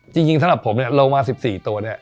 จริงสำหรับผมเนี่ยเรามา๑๔ตัวเนี่ย